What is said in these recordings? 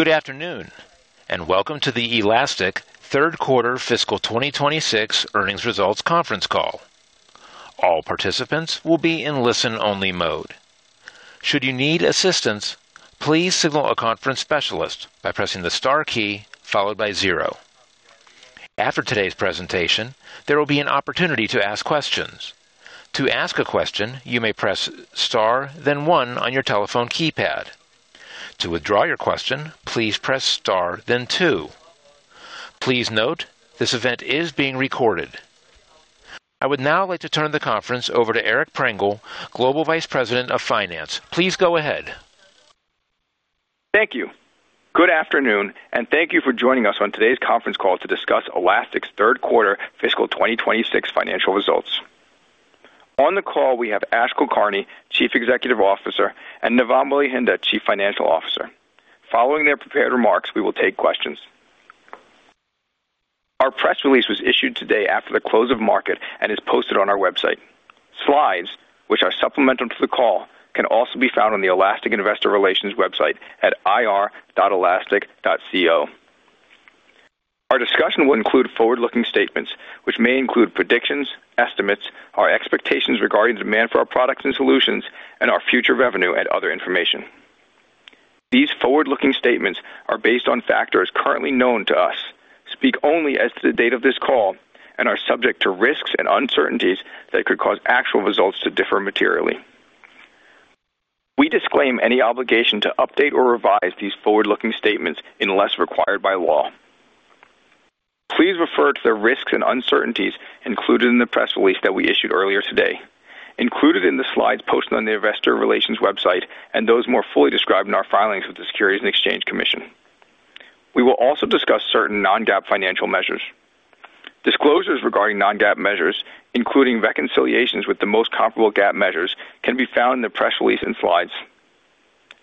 Good afternoon, welcome to the Elastic Third Quarter Fiscal 2026 Earnings Results conference call. All participants will be in listen-only mode. Should you need assistance, please signal a conference specialist by pressing the star key followed by zero. After today's presentation, there will be an opportunity to ask questions. To ask a question, you may press star then one on your telephone keypad. To withdraw your question, please press star then two. Please note, this event is being recorded. I would now like to turn the conference over to Eric Prengel, Global Vice President of Finance. Please go ahead. Thank you. Good afternoon. Thank you for joining us on today's conference call to discuss Elastic's Third Quarter Fiscal 2026 Financial Results. On the call, we have Ash Kulkarni, Chief Executive Officer, and Navam Welihinda, Chief Financial Officer. Following their prepared remarks, we will take questions. Our press release was issued today after the close of market and is posted on our website. Slides, which are supplemental to the call, can also be found on the Elastic Investor Relations website at ir.elastic.co. Our discussion will include forward-looking statements, which may include predictions, estimates, our expectations regarding demand for our products and solutions, and our future revenue and other information. These forward-looking statements are based on factors currently known to us, speak only as to the date of this call, and are subject to risks and uncertainties that could cause actual results to differ materially. We disclaim any obligation to update or revise these forward-looking statements unless required by law. Please refer to the risks and uncertainties included in the press release that we issued earlier today, included in the slides posted on the investor relations website and those more fully described in our filings with the Securities and Exchange Commission. We will also discuss certain non-GAAP financial measures. Disclosures regarding non-GAAP measures, including reconciliations with the most comparable GAAP measures, can be found in the press release and slides.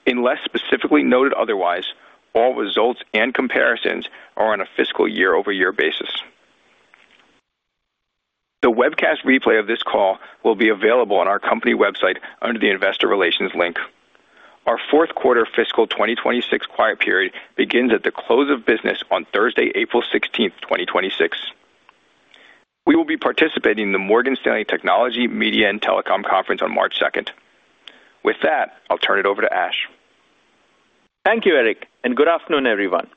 Unless specifically noted otherwise, all results and comparisons are on a fiscal year-over-year basis. The webcast replay of this call will be available on our company website under the Investor Relations link. Our fourth quarter fiscal 2026 quiet period begins at the close of business on Thursday, April 16th, 2026. We will be participating in the Morgan Stanley Technology, Media & Telecom Conference on March 2nd. With that, I'll turn it over to Ash. Thank you, Eric. Good afternoon, everyone.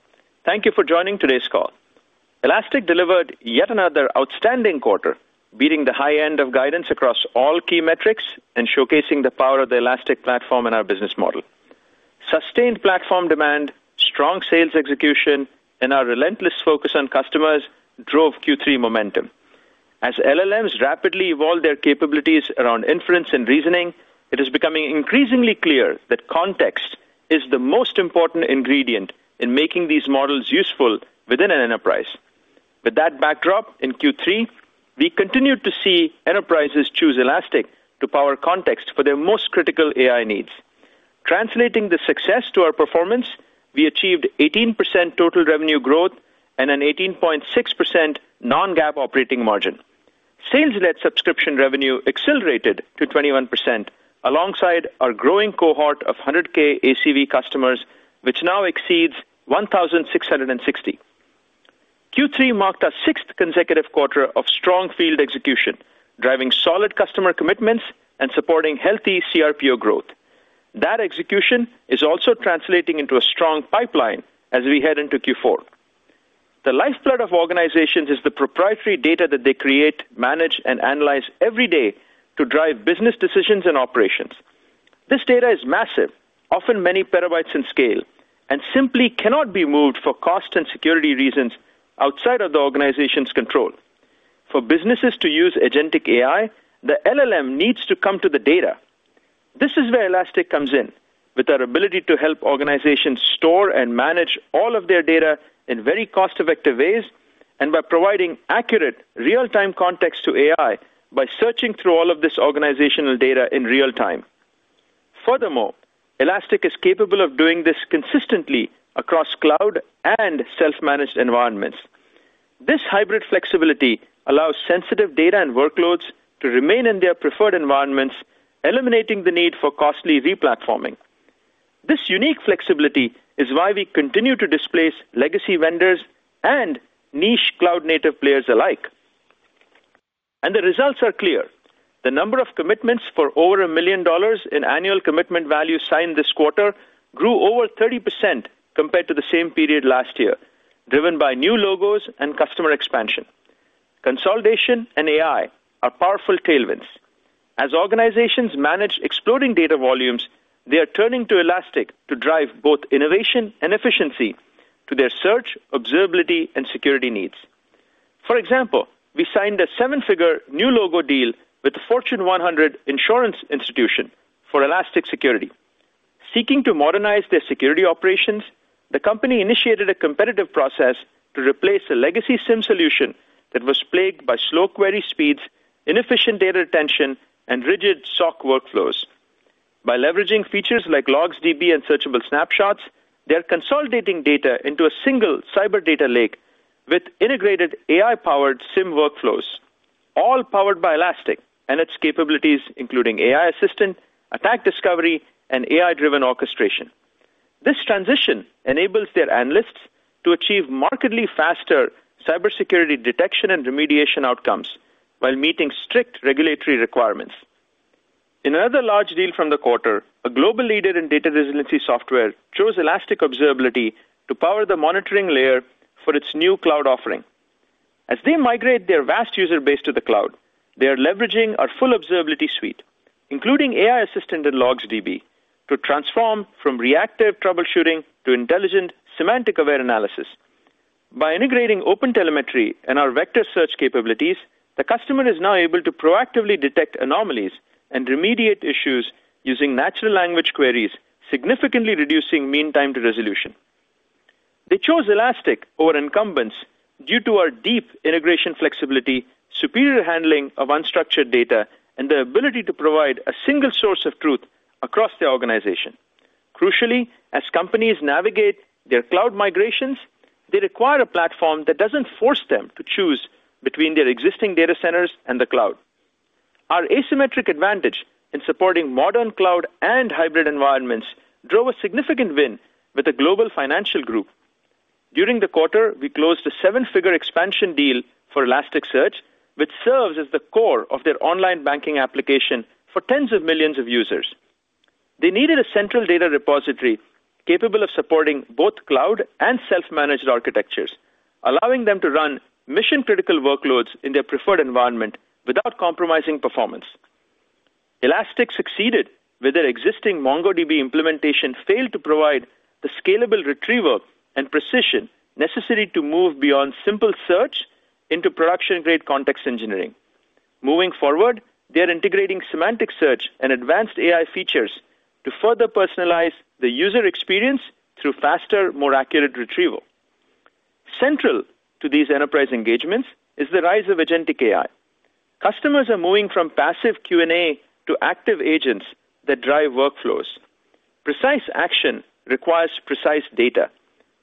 Thank you for joining today's call. Elastic delivered yet another outstanding quarter, beating the high end of guidance across all key metrics and showcasing the power of the Elastic platform and our business model. Sustained platform demand, strong sales execution, and our relentless focus on customers drove Q3 momentum. As LLMs rapidly evolve their capabilities around inference and reasoning, it is becoming increasingly clear that context is the most important ingredient in making these models useful within an enterprise. With that backdrop in Q3, we continued to see enterprises choose Elastic to power context for their most critical AI needs. Translating the success to our performance, we achieved 18% total revenue growth and an 18.6% non-GAAP operating margin. Sales-led subscription revenue accelerated to 21% alongside our growing cohort of $100,000 ACV customers, which now exceeds 1,660. Q3 marked our sixth consecutive quarter of strong field execution, driving solid customer commitments and supporting healthy CRPO growth. That execution is also translating into a strong pipeline as we head into Q4. The lifeblood of organizations is the proprietary data that they create, manage, and analyze every day to drive business decisions and operations. This data is massive, often many petabytes in scale, and simply cannot be moved for cost and security reasons outside of the organization's control. For businesses to use agentic AI, the LLM needs to come to the data. This is where Elastic comes in. With our ability to help organizations store and manage all of their data in very cost-effective ways and by providing accurate real-time context to AI by searching through all of this organizational data in real time. Furthermore, Elastic is capable of doing this consistently across cloud and Self-Managed environments. This hybrid flexibility allows sensitive data and workloads to remain in their preferred environments, eliminating the need for costly re-platforming. This unique flexibility is why we continue to displace legacy vendors and niche cloud-native players alike. The results are clear. The number of commitments for over $1 million in annual commitment value signed this quarter grew over 30% compared to the same period last year, driven by new logos and customer expansion. Consolidation and AI are powerful tailwinds. As organizations manage exploding data volumes, they are turning to Elastic to drive both innovation and efficiency to their search, observability, and security needs. For example, we signed a seven-figure new logo deal with the Fortune 100 insurance institution for Elastic Security. Seeking to modernize their security operations, the company initiated a competitive process to replace a legacy SIEM solution that was plagued by slow query speeds, inefficient data retention, and rigid SOC workflows. By leveraging features like logsdb and searchable snapshots, they are consolidating data into a single cyber data lake with integrated AI-powered SIEM workflows. All powered by Elastic and its capabilities, including AI Assistant, Attack Discovery, and AI-driven orchestration. This transition enables their analysts to achieve markedly faster cybersecurity detection and remediation outcomes while meeting strict regulatory requirements. In another large deal from the quarter, a global leader in data resiliency software chose Elastic Observability to power the monitoring layer for its new cloud offering. As they migrate their vast user base to the cloud, they are leveraging our full observability suite, including AI Assistant and logsdb, to transform from reactive troubleshooting to intelligent semantic-aware analysis. By integrating OpenTelemetry and our vector search capabilities, the customer is now able to proactively detect anomalies and remediate issues using natural language queries, significantly reducing mean time to resolution. They chose Elastic over incumbents due to our deep integration flexibility, superior handling of unstructured data, and the ability to provide a single source of truth across the organization. Crucially, as companies navigate their cloud migrations, they require a platform that doesn't force them to choose between their existing data centers and the cloud. Our asymmetric advantage in supporting modern cloud and hybrid environments drove a significant win with a global financial group. During the quarter, we closed a seven-figure expansion deal for Elasticsearch, which serves as the core of their online banking application for tens of millions of users. They needed a central data repository capable of supporting both cloud and Self-Managed architectures, allowing them to run mission-critical workloads in their preferred environment without compromising performance. Elastic succeeded where their existing MongoDB implementation failed to provide the scalable retrieval and precision necessary to move beyond simple search into production-grade context engineering. Moving forward, they are integrating semantic search and advanced AI features to further personalize the user experience through faster, more accurate retrieval. Central to these enterprise engagements is the rise of agentic AI. Customers are moving from passive Q&A to active agents that drive workflows. Precise action requires precise data.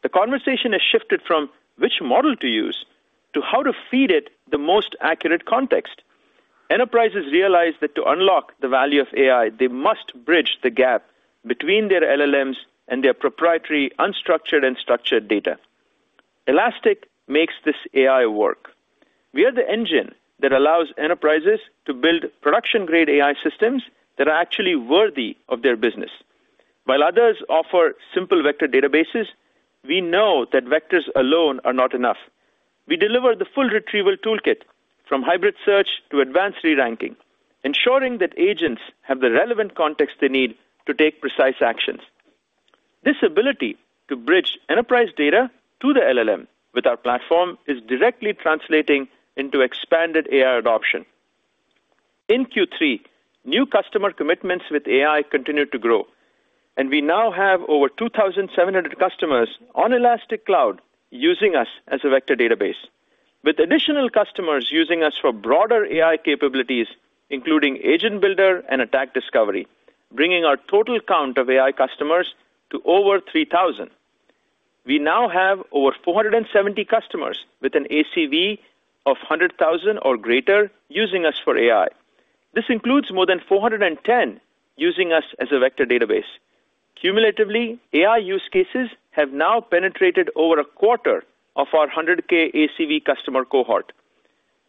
The conversation has shifted from which model to use to how to feed it the most accurate context. Enterprises realize that to unlock the value of AI, they must bridge the gap between their LLMs and their proprietary unstructured and structured data. Elastic makes this AI work. We are the engine that allows enterprises to build production-grade AI systems that are actually worthy of their business. While others offer simple vector databases, we know that vectors alone are not enough. We deliver the full retrieval toolkit from hybrid search to advanced re-ranking, ensuring that agents have the relevant context they need to take precise actions. This ability to bridge enterprise data to the LLM with our platform is directly translating into expanded AI adoption. In Q3, new customer commitments with AI continued to grow. We now have over 2,700 customers on Elastic Cloud using us as a vector database, with additional customers using us for broader AI capabilities, including Agent Builder and Attack Discovery, bringing our total count of AI customers to over 3,000. We now have over 470 customers with an ACV of $100,000 or greater using us for AI. This includes more than 410 using us as a vector database. Cumulatively, AI use cases have now penetrated over a quarter of our $100,000 ACV customer cohort.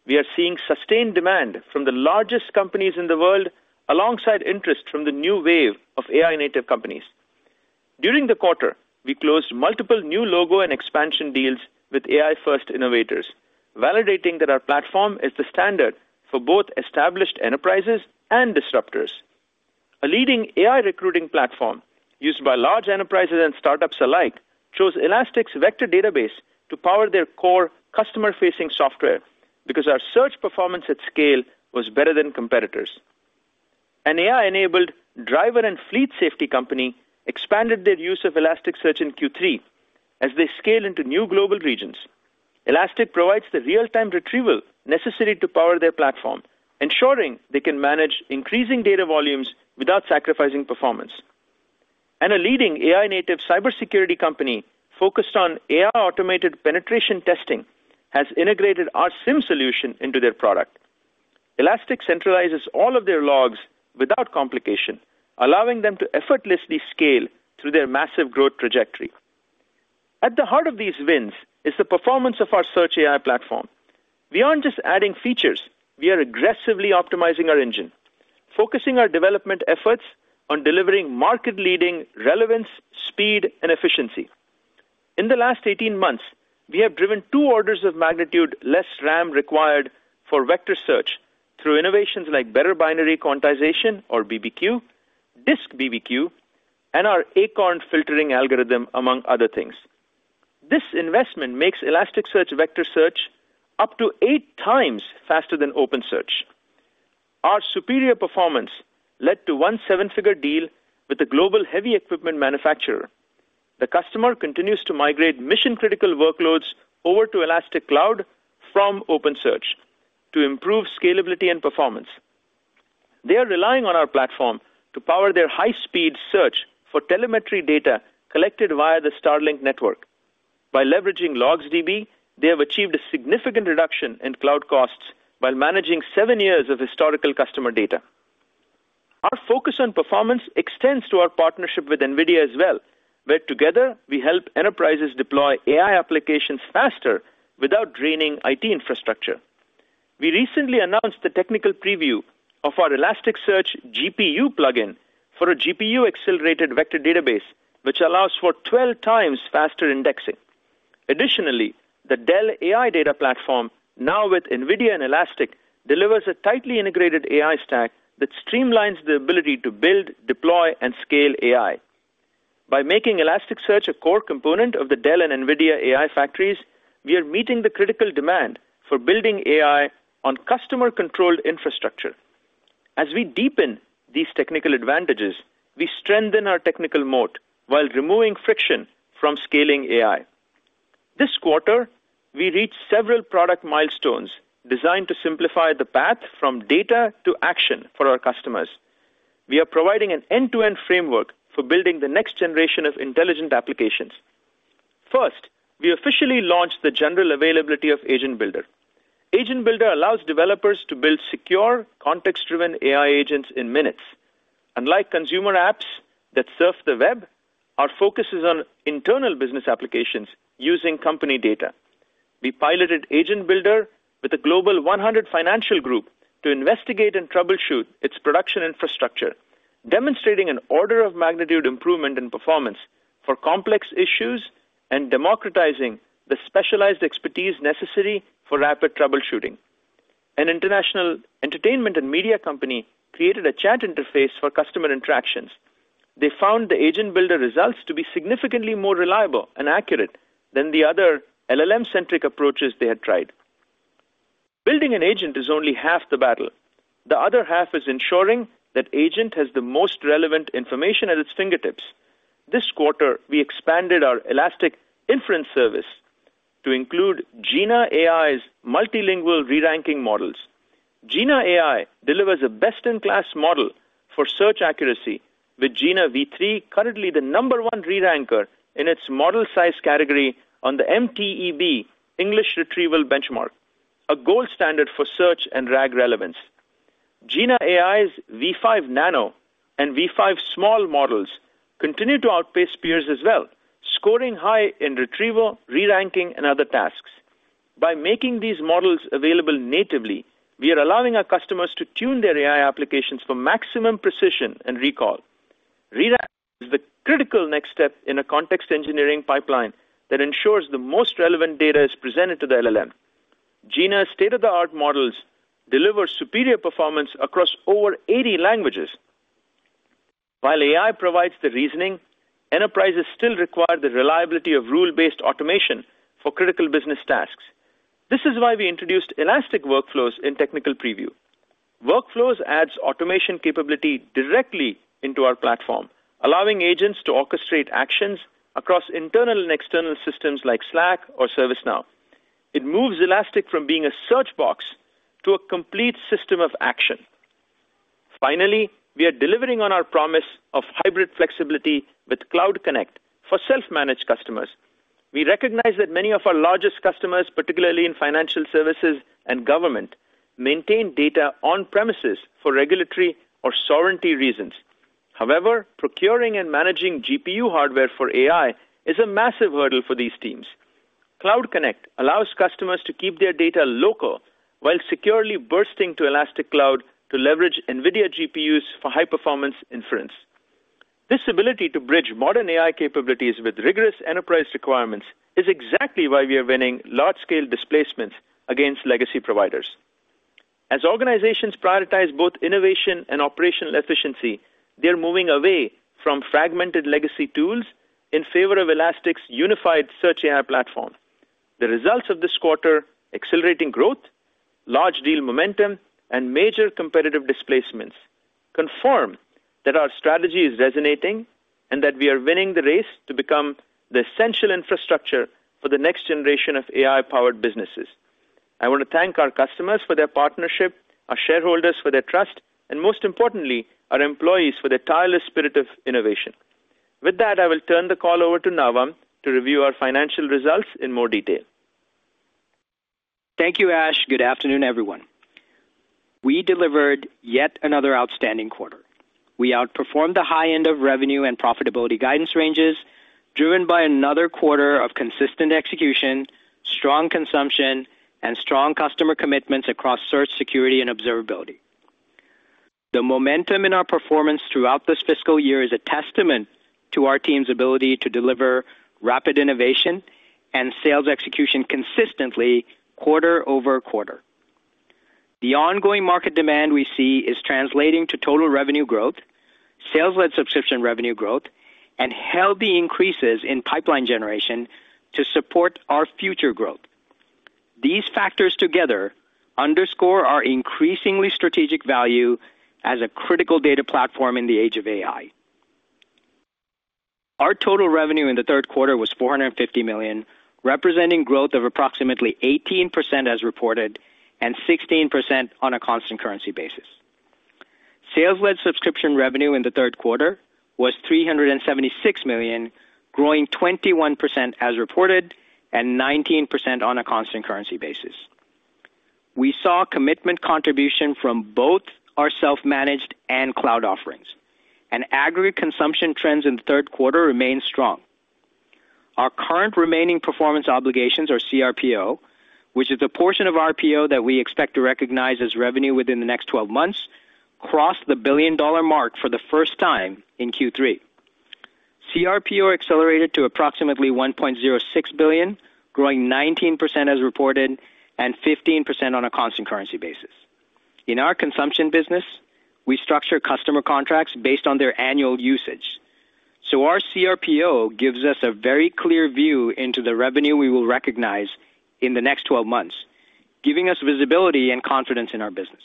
We are seeing sustained demand from the largest companies in the world, alongside interest from the new wave of AI-native companies. During the quarter, we closed multiple new logo and expansion deals with AI-first innovators, validating that our platform is the standard for both established enterprises and disruptors. A leading AI recruiting platform used by large enterprises and startups alike chose Elastic's vector database to power their core customer-facing software because our search performance at scale was better than competitors. An AI-enabled driver and fleet safety company expanded their use of Elasticsearch in Q3 as they scale into new global regions. Elastic provides the real-time retrieval necessary to power their platform, ensuring they can manage increasing data volumes without sacrificing performance. A leading AI-native cybersecurity company focused on AI automated penetration testing has integrated our SIEM solution into their product. Elastic centralizes all of their logs without complication, allowing them to effortlessly scale through their massive growth trajectory. At the heart of these wins is the performance of our Search AI Platform. We aren't just adding features, we are aggressively optimizing our engine, focusing our development efforts on delivering market-leading relevance, speed, and efficiency. In the last 18 months, we have driven two orders of magnitude less RAM required for vector search through innovations like Better Binary Quantization or BBQ, DiskBBQ, and our ACORN filtering algorithm, among other things. This investment makes Elasticsearch vector search up to 8x faster than OpenSearch. Our superior performance led to one seven-figure deal with a global heavy equipment manufacturer. The customer continues to migrate mission-critical workloads over to Elastic Cloud from OpenSearch to improve scalability and performance. They are relying on our platform to power their high-speed search for telemetry data collected via the Starlink network. By leveraging logsdb, they have achieved a significant reduction in cloud costs while managing seven years of historical customer data. Our focus on performance extends to our partnership with NVIDIA as well, where together we help enterprises deploy AI applications faster without draining IT infrastructure. We recently announced the technical preview of our Elasticsearch GPU plugin for a GPU-accelerated vector database, which allows for 12x faster indexing. Additionally, the Dell AI Data Platform, now with NVIDIA and Elastic, delivers a tightly integrated AI stack that streamlines the ability to build, deploy, and scale AI. By making Elasticsearch a core component of the Dell and NVIDIA AI factories, we are meeting the critical demand for building AI on customer-controlled infrastructure. As we deepen these technical advantages, we strengthen our technical moat while removing friction from scaling AI. This quarter, we reached several product milestones designed to simplify the path from data to action for our customers. We are providing an end-to-end framework for building the next generation of intelligent applications. First, we officially launched the general availability of Agent Builder. Agent Builder allows developers to build secure, context-driven AI agents in minutes. Unlike consumer apps that surf the web, our focus is on internal business applications using company data. We piloted Agent Builder with a global 100 financial group to investigate and troubleshoot its production infrastructure, demonstrating an order of magnitude improvement in performance for complex issues and democratizing the specialized expertise necessary for rapid troubleshooting. An international entertainment and media company created a chat interface for customer interactions. They found the Agent Builder results to be significantly more reliable and accurate than the other LLM-centric approaches they had tried. Building an agent is only half the battle. The other half is ensuring that Agent has the most relevant information at its fingertips. This quarter, we expanded our Elastic Inference Service to include Jina AI's multilingual re-ranking models. Jina AI delivers a best-in-class model for search accuracy with Jina v3, currently the number one re-ranker in its model size category on the MTEB English retrieval benchmark, a gold standard for search and RAG relevance. Jina AI's v5 Nano and v5 small models continue to outpace peers as well, scoring high in retrieval, re-ranking, and other tasks. By making these models available natively, we are allowing our customers to tune their AI applications for maximum precision and recall. Re-rank is the critical next step in a context engineering pipeline that ensures the most relevant data is presented to the LLM. Jina's state-of-the-art models deliver superior performance across over 80 languages. While AI provides the reasoning, enterprises still require the reliability of rule-based automation for critical business tasks. This is why we introduced Elastic Workflows in technical preview. Workflows adds automation capability directly into our platform, allowing agents to orchestrate actions across internal and external systems like Slack or ServiceNow. It moves Elastic from being a search box to a complete system of action. Finally, we are delivering on our promise of hybrid flexibility with Cloud Connect for Self-Managed customers. We recognize that many of our largest customers, particularly in financial services and government, maintain data on-premises for regulatory or sovereignty reasons. However, procuring and managing GPU hardware for AI is a massive hurdle for these teams. Cloud Connect allows customers to keep their data local while securely bursting to Elastic Cloud to leverage NVIDIA GPUs for high-performance inference. This ability to bridge modern AI capabilities with rigorous enterprise requirements is exactly why we are winning large-scale displacements against legacy providers. As organizations prioritize both innovation and operational efficiency, they're moving away from fragmented legacy tools in favor of Elastic's unified Search AI Platform. The results of this quarter, accelerating growth, large deal momentum, and major competitive displacements, confirm that our strategy is resonating and that we are winning the race to become the essential infrastructure for the next generation of AI-powered businesses. I want to thank our customers for their partnership, our shareholders for their trust, and most importantly, our employees for their tireless spirit of innovation. With that, I will turn the call over to Navam to review our financial results in more detail. Thank you, Ash. Good afternoon, everyone. We delivered yet another outstanding quarter. We outperformed the high end of revenue and profitability guidance ranges, driven by another quarter of consistent execution, strong consumption, and strong customer commitments across search, security, and observability. The momentum in our performance throughout this fiscal year is a testament to our team's ability to deliver rapid innovation and sales execution consistently quarter-over-quarter. The ongoing market demand we see is translating to total revenue growth, sales-led subscription revenue growth, and healthy increases in pipeline generation to support our future growth. These factors together underscore our increasingly strategic value as a critical data platform in the age of AI. Our total revenue in the third quarter was $450 million, representing growth of approximately 18% as reported and 16% on a constant currency basis. Sales-led subscription revenue in the third quarter was $376 million, growing 21% as reported and 19% on a constant currency basis. We saw commitment contribution from both our Self-Managed and cloud offerings, and aggregate consumption trends in the third quarter remained strong. Our current remaining performance obligations, or CRPO, which is the portion of RPO that we expect to recognize as revenue within the next 12 months, crossed the billion-dollar mark for the first time in Q3. CRPO accelerated to approximately $1.06 billion, growing 19% as reported and 15% on a constant currency basis. In our consumption business, we structure customer contracts based on their annual usage. Our CRPO gives us a very clear view into the revenue we will recognize in the next 12 months, giving us visibility and confidence in our business.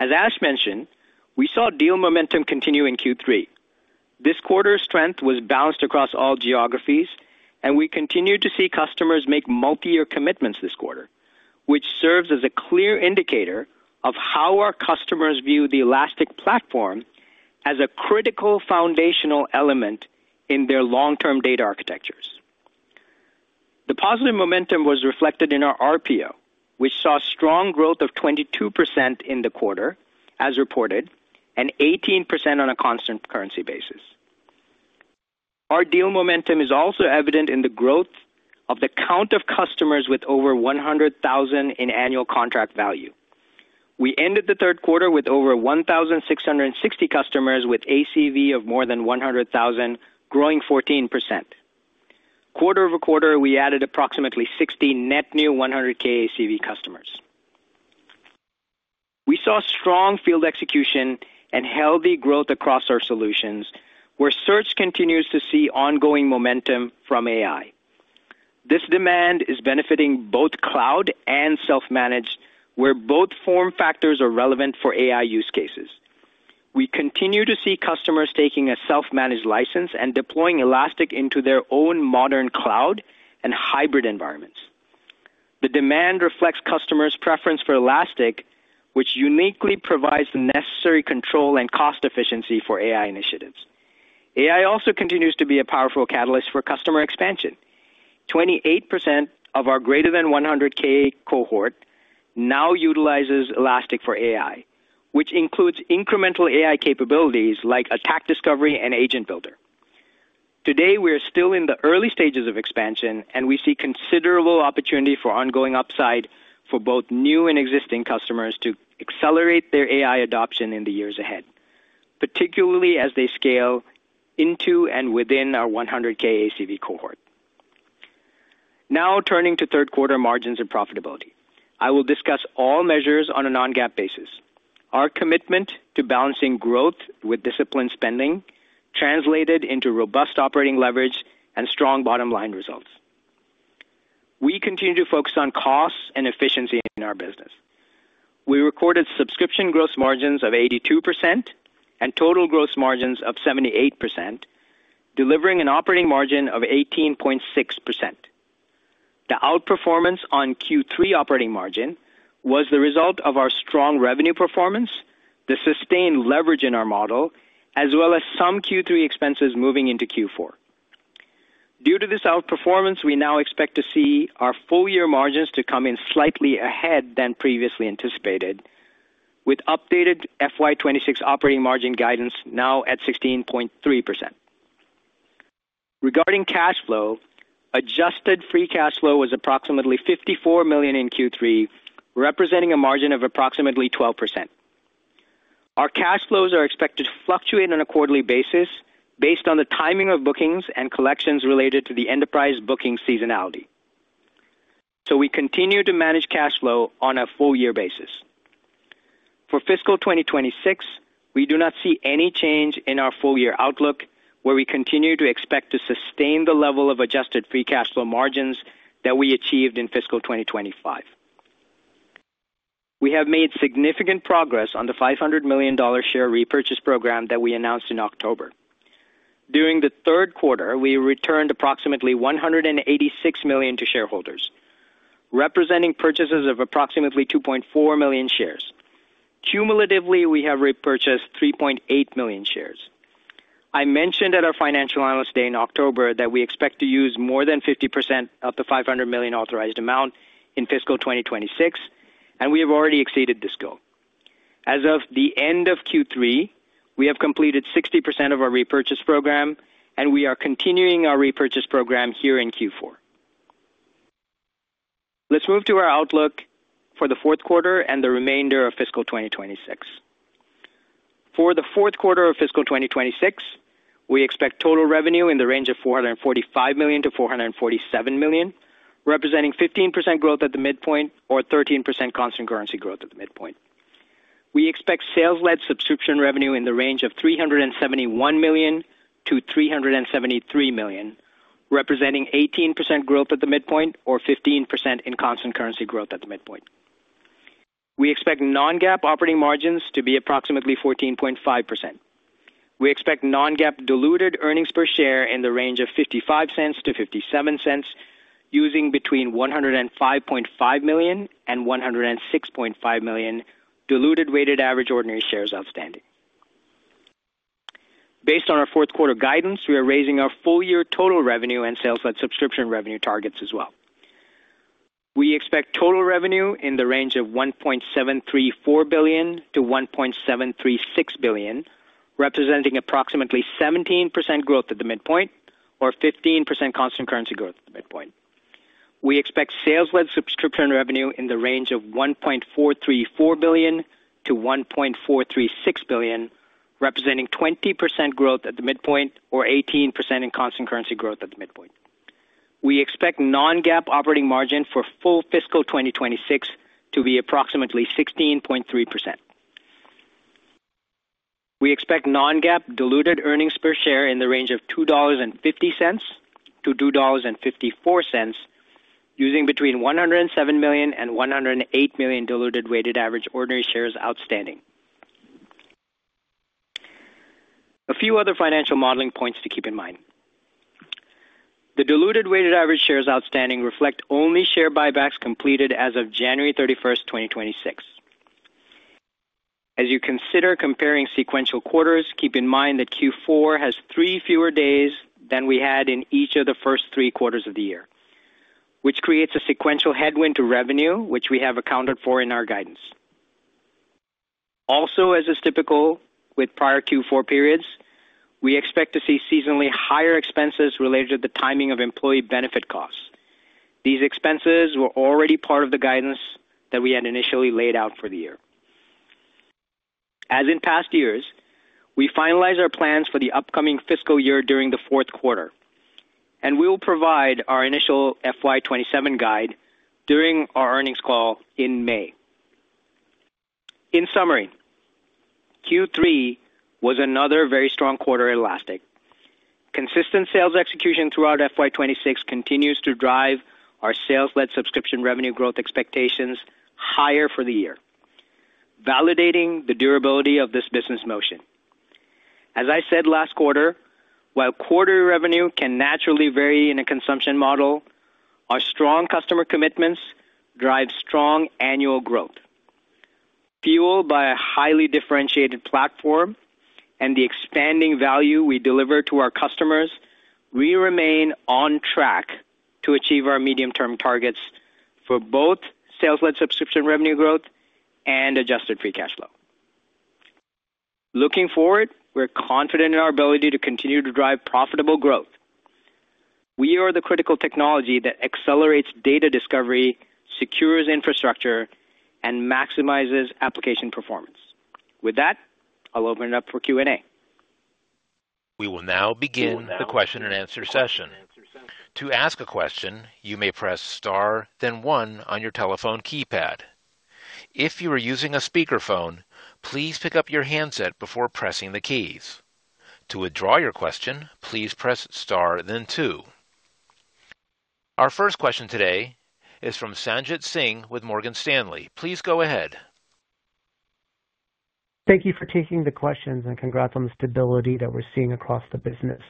As Ash mentioned, we saw deal momentum continue in Q3. This quarter's strength was balanced across all geographies, and we continued to see customers make multi-year commitments this quarter, which serves as a clear indicator of how our customers view the Elastic platform as a critical foundational element in their long-term data architectures. The positive momentum was reflected in our RPO, which saw strong growth of 22% in the quarter as reported and 18% on a constant currency basis. Our deal momentum is also evident in the growth of the count of customers with over $100,000 in annual contract value. We ended the third quarter with over 1,660 customers with ACV of more than $100,000, growing 14%. Quarter-over-quarter, we added approximately 60 net new $100,000 ACV customers. We saw strong field execution and healthy growth across our solutions, where search continues to see ongoing momentum from AI. This demand is benefiting both cloud and Self-Managed, where both form factors are relevant for AI use cases. We continue to see customers taking a Self-Managed license and deploying Elastic into their own modern cloud and hybrid environments. The demand reflects customers' preference for Elastic, which uniquely provides the necessary control and cost efficiency for AI initiatives. AI also continues to be a powerful catalyst for customer expansion. 28% of our greater than $100,000 cohort now utilizes Elastic for AI, which includes incremental AI capabilities like Attack Discovery and Agent Builder. Today, we are still in the early stages of expansion, we see considerable opportunity for ongoing upside for both new and existing customers to accelerate their AI adoption in the years ahead, particularly as they scale into and within our $100,000 ACV cohort. Now turning to third quarter margins and profitability. I will discuss all measures on a non-GAAP basis. Our commitment to balancing growth with disciplined spending translated into robust operating leverage and strong bottom-line results. We continue to focus on costs and efficiency in our business. We recorded subscription gross margins of 82% and total gross margins of 78%, delivering an operating margin of 18.6%. The outperformance on Q3 operating margin was the result of our strong revenue performance, the sustained leverage in our model, as well as some Q3 expenses moving into Q4. Due to this outperformance, we now expect to see our full year margins to come in slightly ahead than previously anticipated, with updated FY 2026 operating margin guidance now at 16.3%. Regarding cash flow, adjusted free cash flow was approximately $54 million in Q3, representing a margin of approximately 12%. Our cash flows are expected to fluctuate on a quarterly basis based on the timing of bookings and collections related to the enterprise booking seasonality. We continue to manage cash flow on a full year basis. For fiscal 2026, we do not see any change in our full year outlook, where we continue to expect to sustain the level of adjusted free cash flow margins that we achieved in fiscal 2025. We have made significant progress on the $500 million share repurchase program that we announced in October. During the third quarter, we returned approximately $186 million to shareholders, representing purchases of approximately 2.4 million shares. Cumulatively, we have repurchased 3.8 million shares. I mentioned at our Financial Analyst Day in October that we expect to use more than 50% of the $500 million authorized amount in fiscal 2026. We have already exceeded this goal. As of the end of Q3, we have completed 60% of our repurchase program. We are continuing our repurchase program here in Q4. Let's move to our outlook for the fourth quarter and the remainder of fiscal 2026. For the fourth quarter of fiscal 2026, we expect total revenue in the range of $445 million-$447 million, representing 15% growth at the midpoint or 13% constant currency growth at the midpoint. We expect sales-led subscription revenue in the range of $371 million-$373 million, representing 18% growth at the midpoint or 15% in constant currency growth at the midpoint. We expect non-GAAP operating margins to be approximately 14.5%. We expect non-GAAP diluted earnings per share in the range of $0.55-$0.57, using between 105.5 million and 106.5 million diluted weighted average ordinary shares outstanding. Based on our fourth quarter guidance, we are raising our full year total revenue and sales and subscription revenue targets as well. We expect total revenue in the range of $1.734 billion-$1.736 billion, representing approximately 17% growth at the midpoint or 15% constant currency growth at the midpoint. We expect sales-led subscription revenue in the range of $1.434 billion-$1.436 billion, representing 20% growth at the midpoint or 18% in constant currency growth at the midpoint. We expect non-GAAP operating margin for full fiscal 2026 to be approximately 16.3%. We expect non-GAAP diluted earnings per share in the range of $2.50-$2.54, using between 107 million and 108 million diluted weighted average ordinary shares outstanding. A few other financial modeling points to keep in mind. The diluted weighted average shares outstanding reflect only share buybacks completed as of January 31st, 2026. As you consider comparing sequential quarters, keep in mind that Q4 has three fewer days than we had in each of the first three quarters of the year, which creates a sequential headwind to revenue, which we have accounted for in our guidance. As is typical with prior Q4 periods, we expect to see seasonally higher expenses related to the timing of employee benefit costs. These expenses were already part of the guidance that we had initially laid out for the year. As in past years, we finalize our plans for the upcoming fiscal year during the fourth quarter, and we will provide our initial FY 2027 guide during our earnings call in May. In summary, Q3 was another very strong quarter at Elastic. Consistent sales execution throughout FY 2026 continues to drive our sales-led subscription revenue growth expectations higher for the year, validating the durability of this business motion. As I said last quarter, while quarterly revenue can naturally vary in a consumption model, our strong customer commitments drive strong annual growth. Fueled by a highly differentiated platform and the expanding value we deliver to our customers, we remain on track to achieve our medium-term targets for both sales-led subscription revenue growth and adjusted free cash flow. Looking forward, we're confident in our ability to continue to drive profitable growth. We are the critical technology that accelerates data discovery, secures infrastructure, and maximizes application performance. With that, I'll open it up for Q&A. We will now begin the question and answer session. To ask a question, you may press star, then one on your telephone keypad. If you are using a speakerphone, please pick up your handset before pressing the keys. To withdraw your question, please press star then two. Our first question today is from Sanjit Singh with Morgan Stanley. Please go ahead. Thank you for taking the questions and congrats on the stability that we're seeing across the business.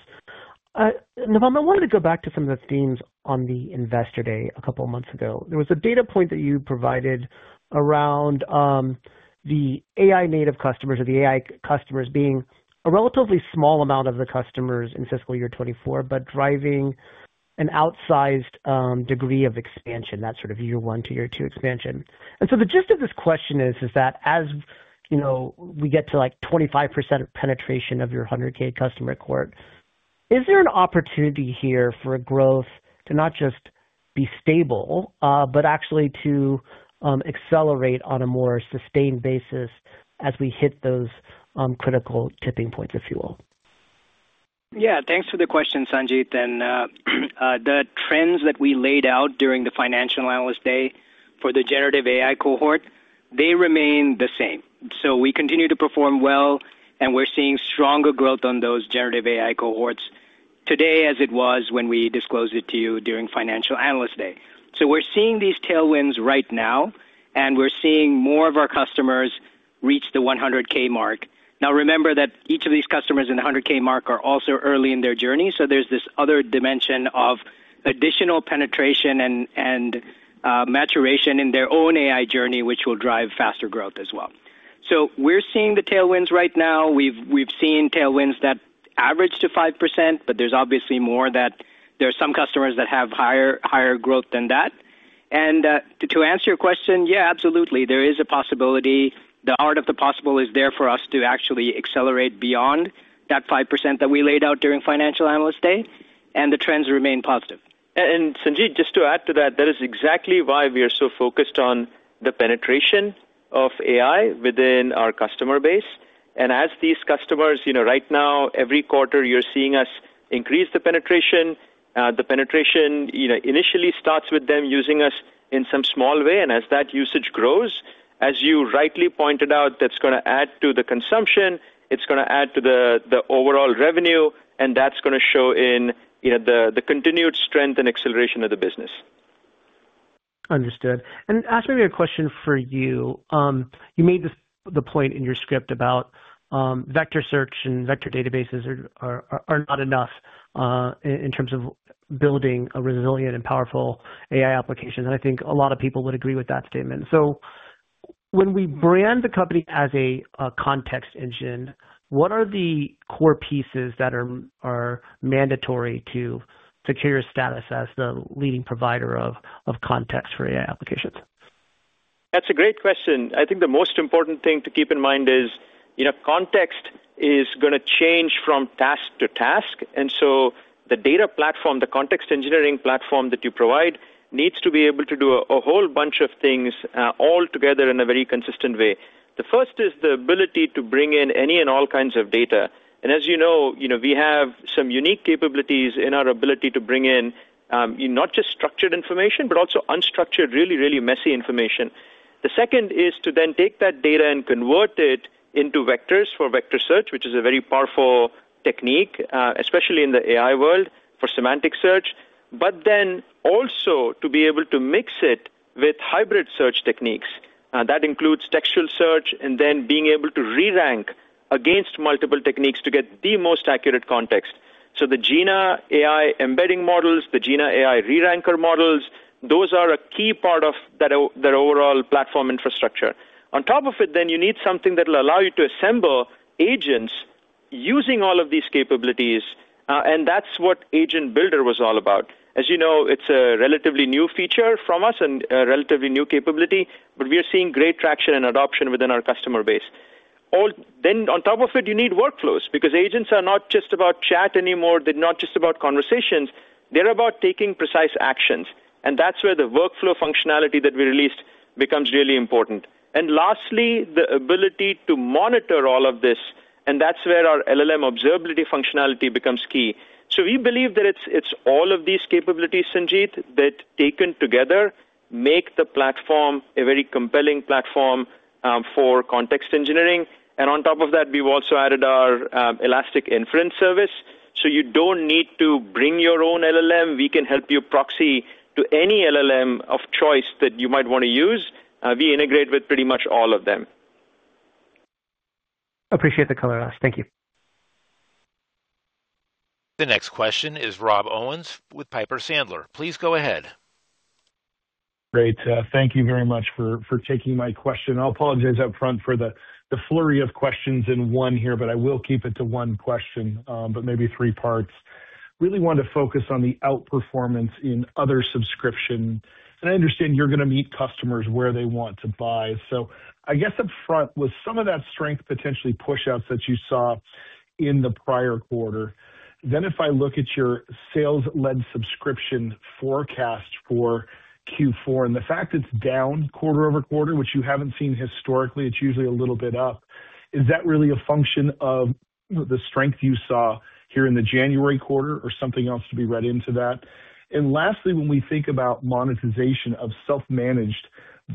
Navam, I wanted to go back to some of the themes on the Investor Day a couple of months ago. There was a data point that you provided around the AI native customers or the AI customers being a relatively small amount of the customers in fiscal year 2024, but driving an outsized degree of expansion, that sort of year one to year two expansion. The gist of this question is that as, you know, we get to like 25% of penetration of your $100,000 customer accord, is there an opportunity here for a growth to not just be stable, but actually to accelerate on a more sustained basis as we hit those critical tipping points, if you will? Thanks for the question, Sanjit. The trends that we laid out during the Financial Analyst Day for the generative AI cohort, they remain the same. We continue to perform well, and we're seeing stronger growth on those generative AI cohorts today, as it was when we disclosed it to you during Financial Analyst Day. We're seeing these tailwinds right now, and we're seeing more of our customers reach the $100,000 mark. Now, remember that each of these customers in the $100,000 mark are also early in their journey. There's this other dimension of additional penetration and maturation in their own AI journey, which will drive faster growth as well. We're seeing the tailwinds right now. We've seen tailwinds that average to 5%, but there's obviously more that there are some customers that have higher growth than that. To answer your question, yeah, absolutely. There is a possibility the art of the possible is there for us to actually accelerate beyond that 5% that we laid out during Financial Analyst Day. The trends remain positive. Sanjit, just to add to that is exactly why we are so focused on the penetration of AI within our customer base. As these customers, you know, right now, every quarter, you're seeing us increase the penetration. The penetration, you know, initially starts with them using us in some small way. As that usage grows, as you rightly pointed out, that's gonna add to the consumption, it's gonna add to the overall revenue, and that's gonna show in, you know, the continued strength and acceleration of the business. Understood. Ash, maybe a question for you. You made the point in your script about vector search and vector databases are not enough in terms of building a resilient and powerful AI application. I think a lot of people would agree with that statement. When we brand the company as a context engine, what are the core pieces that are mandatory to secure your status as the leading provider of context for AI applications? That's a great question. I think the most important thing to keep in mind is, you know, context is gonna change from task to task. The data platform, the context engineering platform that you provide, needs to be able to do a whole bunch of things all together in a very consistent way. The first is the ability to bring in any and all kinds of data. As you know, we have some unique capabilities in our ability to bring in not just structured information, but also unstructured, really, really messy information. The second is to then take that data and convert it into vectors for vector search, which is a very powerful technique, especially in the AI world for semantic search, but then also to be able to mix it with hybrid search techniques. That includes textual search and then being able to re-rank against multiple techniques to get the most accurate context. The Jina AI embedding models, the Jina AI re-ranker models, those are a key part of their overall platform infrastructure. On top of it, then you need something that'll allow you to assemble agents using all of these capabilities. That's what Agent Builder was all about. As you know, it's a relatively new feature from us and a relatively new capability, but we are seeing great traction and adoption within our customer base. On top of it, you need workflows because agents are not just about chat anymore. They're not just about conversations. They're about taking precise actions, and that's where the workflow functionality that we released becomes really important. Lastly, the ability to monitor all of this, and that's where our LLM observability functionality becomes key. We believe that it's all of these capabilities, Sanjit, that taken together make the platform a very compelling platform for context engineering. On top of that, we've also added our Elastic Inference Service, so you don't need to bring your own LLM. We can help you proxy to any LLM of choice that you might want to use. We integrate with pretty much all of them. Appreciate the color, Ash. Thank you. The next question is Rob Owens with Piper Sandler. Please go ahead. Great. Thank you very much for taking my question. I'll apologize up front for the flurry of questions in one here, but I will keep it to one question, but maybe three parts. Really want to focus on the outperformance in other subscription. I understand you're gonna meet customers where they want to buy. I guess upfront, with some of that strength potentially push outs that you saw in the prior quarter, then if I look at your sales-led subscription forecast for Q4 and the fact it's down quarter-over-quarter, which you haven't seen historically, it's usually a little bit up, is that really a function of the strength you saw here in the January quarter or something else to be read into that? Lastly, when we think about monetization of Self-Managed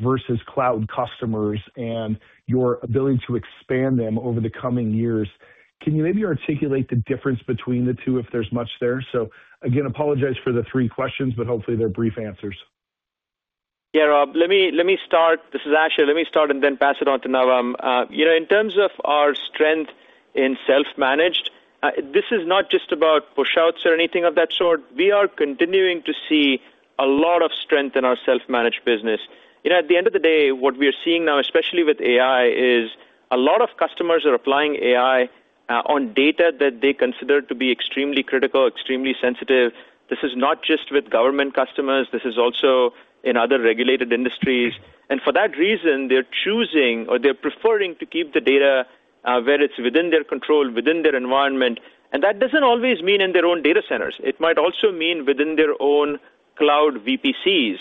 versus cloud customers and your ability to expand them over the coming years, can you maybe articulate the difference between the two if there's much there? Again, apologize for the three questions, but hopefully they're brief answers. Rob, let me start. This is Ash. Let me start and then pass it on to Navam. You know, in terms of our strength in Self-Managed, this is not just about push outs or anything of that sort. We are continuing to see a lot of strength in our Self-Managed business. You know, at the end of the day, what we are seeing now, especially with AI, is a lot of customers are applying AI on data that they consider to be extremely critical, extremely sensitive. This is not just with government customers. This is also in other regulated industries. For that reason, they're choosing or they're preferring to keep the data where it's within their control, within their environment. That doesn't always mean in their own data centers. It might also mean within their own cloud VPCs.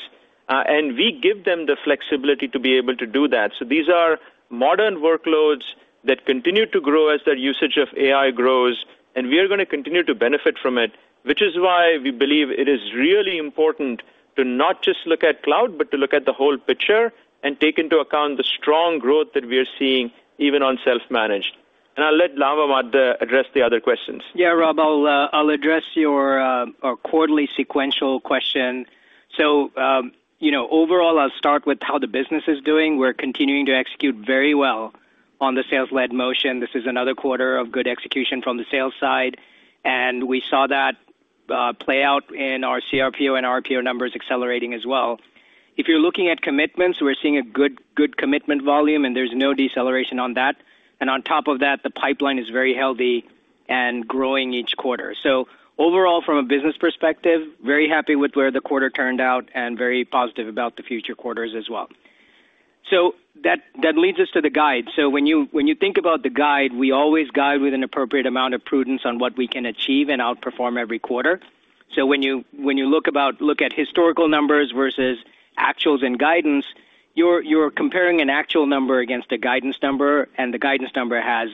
We give them the flexibility to be able to do that. These are modern workloads that continue to grow as their usage of AI grows, and we are gonna continue to benefit from it, which is why we believe it is really important to not just look at cloud, but to look at the whole picture and take into account the strong growth that we are seeing even on Self-Managed. I'll let Navamad address the other questions. Yeah, Rob, I'll address your our quarterly sequential question. You know, overall, I'll start with how the business is doing. We're continuing to execute very well on the sales-led motion. This is another quarter of good execution from the sales side, and we saw that play out in our CRPO and RPO numbers accelerating as well. If you're looking at commitments, we're seeing a good commitment volume, and there's no deceleration on that. On top of that, the pipeline is very healthy and growing each quarter. Overall, from a business perspective, very happy with where the quarter turned out and very positive about the future quarters as well. That leads us to the guide. When you think about the guide, we always guide with an appropriate amount of prudence on what we can achieve and outperform every quarter. When you look at historical numbers versus actuals and guidance, you're comparing an actual number against a guidance number, and the guidance number has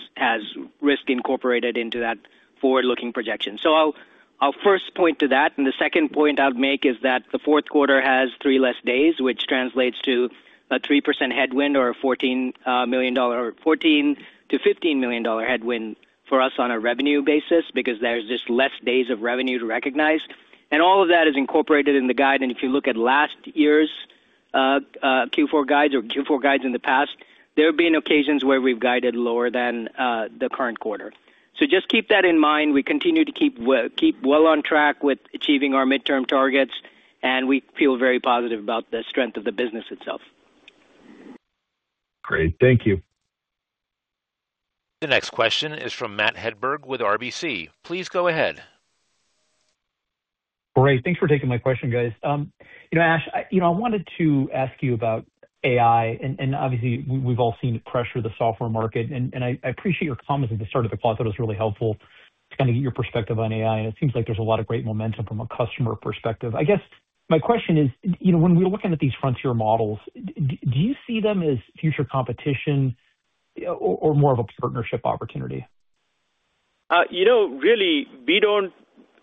risk incorporated into that forward-looking projection. I'll first point to that. The second point I'd make is that the fourth quarter has three less days, which translates to a 3% headwind or a $14 million-$15 million headwind for us on a revenue basis because there's just less days of revenue to recognize. All of that is incorporated in the guide. If you look at last year's, Q4 guides in the past, there have been occasions where we've guided lower than the current quarter. Just keep that in mind. We continue to keep well on track with achieving our midterm targets, and we feel very positive about the strength of the business itself. Great. Thank you. The next question is from Matt Hedberg with RBC. Please go ahead. Great. Thanks for taking my question, guys. You know, Ash, you know, I wanted to ask you about AI. Obviously we've all seen the pressure of the software market. I appreciate your comments at the start of the call. I thought it was really helpful to kinda get your perspective on AI, and it seems like there's a lot of great momentum from a customer perspective. I guess my question is, you know, when we're looking at these frontier models, do you see them as future competition or more of a partnership opportunity? You know, really we don't.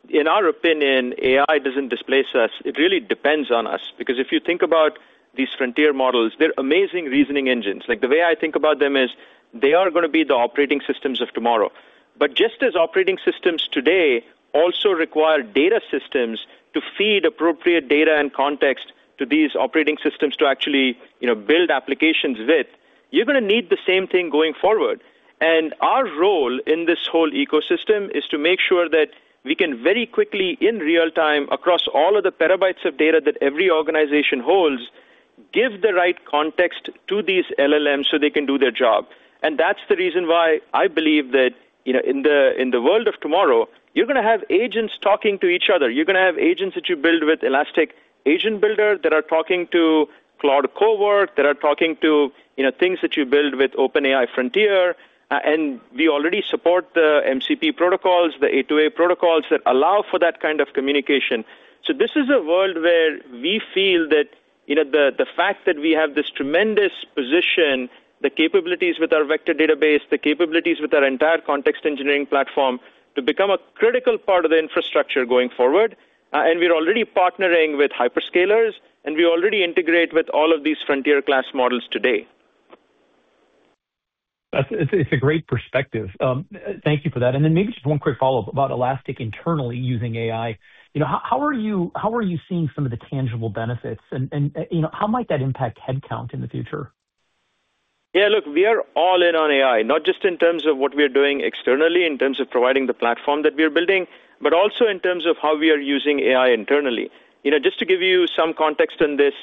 In our opinion, AI doesn't displace us. It really depends on us because if you think about these frontier models, they're amazing reasoning engines. Like the way I think about them is they are gonna be the operating systems of tomorrow. Just as operating systems today also require data systems to feed appropriate data and context to these operating systems to actually, you know, build applications with, you're gonna need the same thing going forward. Our role in this whole ecosystem is to make sure that we can very quickly, in real time, across all of the petabytes of data that every organization holds, give the right context to these LLMs so they can do their job. That's the reason why I believe that, you know, in the, in the world of tomorrow, you're gonna have agents talking to each other. You're gonna have agents that you build with Elastic Agent Builder that are talking to Claude Cowork, that are talking to, you know, things that you build with OpenAI Frontier. We already support the MCP protocols, the A2A protocols that allow for that kind of communication. This is a world where we feel that, you know, the fact that we have this tremendous position, the capabilities with our vector database, the capabilities with our entire context engineering platform to become a critical part of the infrastructure going forward, and we're already partnering with hyperscalers, and we already integrate with all of these frontier class models today. It's, it's a great perspective. Thank you for that. Then maybe just one quick follow-up about Elastic internally using AI. You know, how are you seeing some of the tangible benefits and, you know, how might that impact headcount in the future? Yeah, look, we are all in on AI, not just in terms of what we are doing externally in terms of providing the platform that we are building, but also in terms of how we are using AI internally. You know, just to give you some context on this,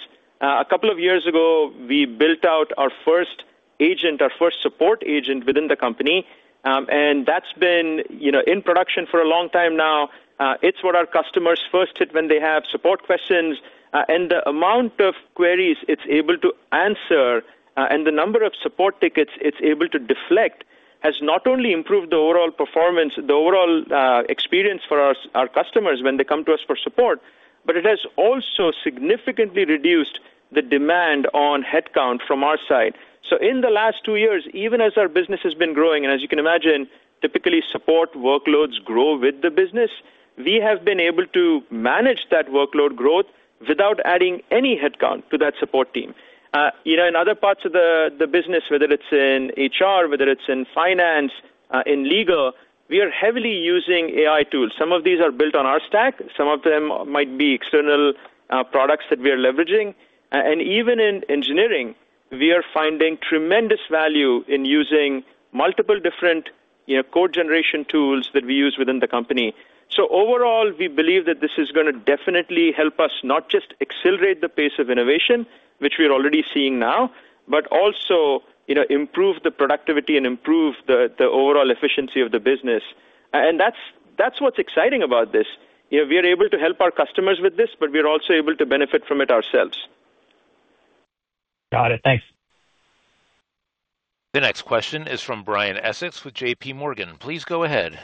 a couple of years ago, we built out our first agent, our first support agent within the company, and that's been, you know, in production for a long time now. It's what our customers first hit when they have support questions. The amount of queries it's able to answer, and the number of support tickets it's able to deflect has not only improved the overall performance, the overall experience for our customers when they come to us for support, but it has also significantly reduced the demand on headcount from our side. In the last two years, even as our business has been growing, and as you can imagine, typically support workloads grow with the business, we have been able to manage that workload growth without adding any headcount to that support team. You know, in other parts of the business, whether it's in HR, whether it's in finance, in legal, we are heavily using AI tools. Some of these are built on our stack, some of them might be external, products that we are leveraging. Even in engineering, we are finding tremendous value in using multiple different, you know, code generation tools that we use within the company. Overall, we believe that this is gonna definitely help us not just accelerate the pace of innovation, which we are already seeing now, but also, you know, improve the productivity and improve the overall efficiency of the business. And that's what's exciting about this. You know, we are able to help our customers with this, but we are also able to benefit from it ourselves. Got it. Thanks. The next question is from Brian Essex with JPMorgan. Please go ahead.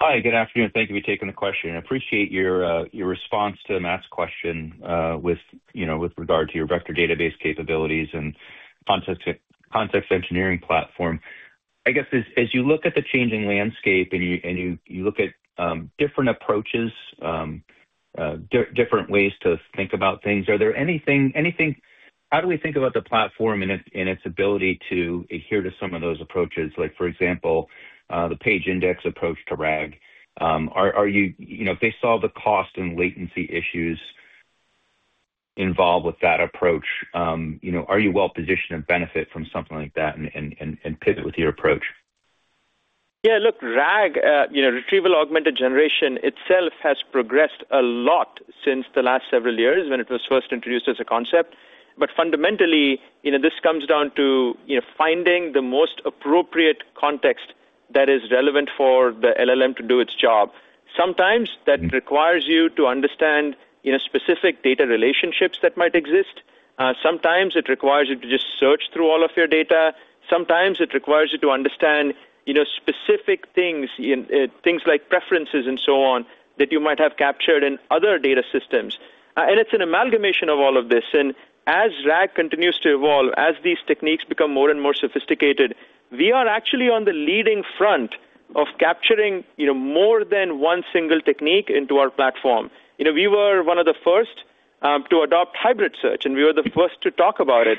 Hi. Good afternoon. Thank you for taking the question. I appreciate your response to Matt's question, with, you know, with regard to your vector database capabilities and context engineering platform. I guess as you look at the changing landscape and you look at different approaches, different ways to think about things, are there anything... How do we think about the platform and its ability to adhere to some of those approaches? Like for example, the page index approach to RAG. Are you know, if they solve the cost and latency issues involved with that approach, you know, are you well-positioned to benefit from something like that and pivot with your approach? Yeah. Look, RAG, you know, retrieval augmented generation itself has progressed a lot since the last several years when it was first introduced as a concept. Fundamentally, you know, this comes down to, you know, finding the most appropriate context that is relevant for the LLM to do its job. Sometimes that requires you to understand, you know, specific data relationships that might exist. Sometimes it requires you to just search through all of your data. Sometimes it requires you to understand, you know, specific things in things like preferences and so on that you might have captured in other data systems. It's an amalgamation of all of this. As RAG continues to evolve, as these techniques become more and more sophisticated, we are actually on the leading front of capturing, you know, more than one single technique into our platform. You know, we were one of the first to adopt hybrid search. We were the first to talk about it.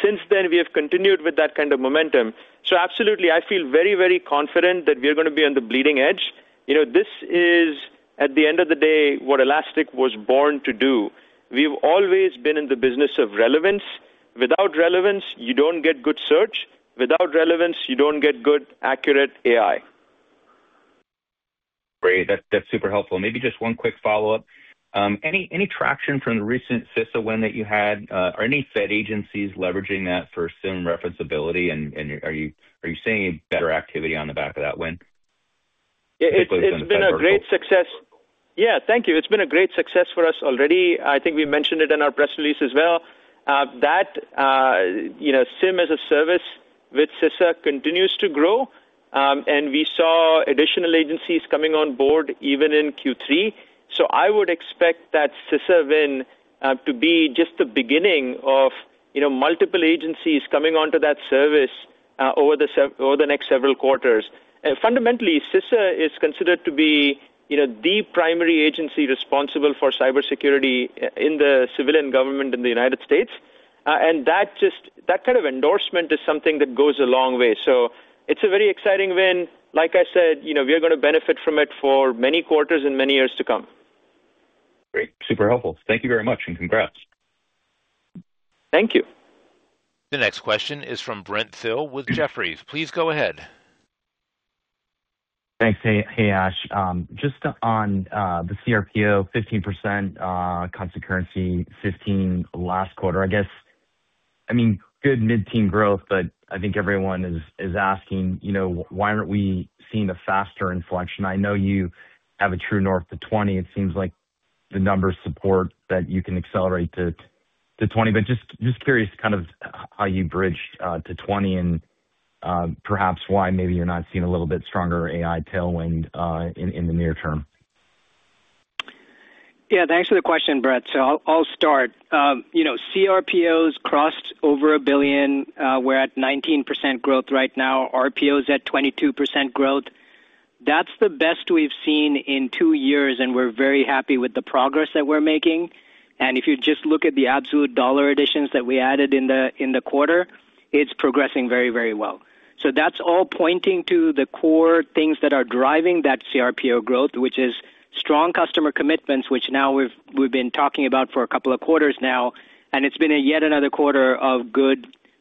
Since then we have continued with that kind of momentum. Absolutely, I feel very confident that we are gonna be on the bleeding edge. You know, this is, at the end of the day, what Elastic was born to do. We've always been in the business of relevance. Without relevance, you don't get good search. Without relevance, you don't get good accurate AI. Great. That's super helpful. Maybe just one quick follow-up. Any traction from the recent CISA win that you had? Are any Fed agencies leveraging that for SIEM reference ability? Are you seeing any better activity on the back of that win? It's been a great success. Yeah. Thank you. It's been a great success for us already. I think we mentioned it in our press release as well. That, you know, SIEM as a service with CISA continues to grow. We saw additional agencies coming on board even in Q3. I would expect that CISA win to be just the beginning of, you know, multiple agencies coming onto that service over the next several quarters. Fundamentally, CISA is considered to be, you know, the primary agency responsible for cybersecurity in the civilian government in the United States. That kind of endorsement is something that goes a long way. It's a very exciting win. Like I said, you know, we are gonna benefit from it for many quarters and many years to come. Great. Super helpful. Thank you very much, and congrats. Thank you. The next question is from Brent Thill with Jefferies. Please go ahead. Thanks. Hey, Ash. Just on the CRPO 15%, constant currency, 15% last quarter. I guess, I mean, good mid-teen growth, but I think everyone is asking, you know, why aren't we seeing a faster inflection? I know you have a true north to 20%. It seems like the numbers support that you can accelerate to 20%. Just curious how you bridge to 20% and perhaps why maybe you're not seeing a little bit stronger AI tailwind in the near term. Yeah, thanks for the question, Brent. I'll start. you know, CRPOs crossed over $1 billion. we're at 19% growth right now. RPO is at 22% growth. That's the best we've seen in two years, and we're very happy with the progress that we're making. If you just look at the absolute dollar additions that we added in the, in the quarter, it's progressing very, very well. That's all pointing to the core things that are driving that CRPO growth, which is strong customer commitments, which now we've been talking about for a couple of quarters now, and it's been a yet another quarter of